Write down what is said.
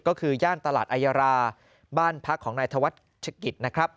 ก็คือย่างตลาดไอราบ้านพักของนายธวัฒน์ชะกิดนะครับ